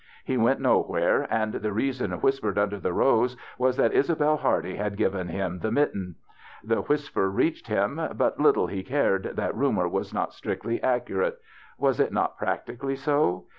He went nowhere, and the reason whispered under the rose was that Isabelle Hardy had given him the mitten. The whis per reached him, but little he cared that ru mor was not strictlv accurate. Was it not practically so